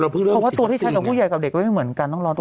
เพราะว่าตัวที่ใช้กับผู้ใหญ่กับเด็กก็ไม่เหมือนกันต้องรอตัว